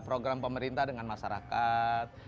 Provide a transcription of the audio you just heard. program pemerintah dengan masyarakat